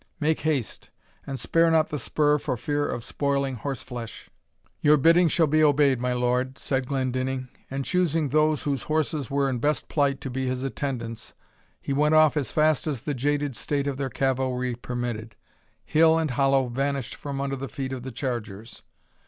Make haste, and spare not the spur for fear of spoiling horse flesh." "Your bidding shall be obeyed, my lord," said Glendinning; and choosing those whose horses were in best plight to be his attendants, he went off as fast as the jaded state of their cavalry permitted. Hill and hollow vanished from under the feet of the chargers.